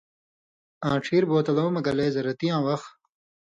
آں ڇھیر بوتلو مہ گلے زرتیاں وخ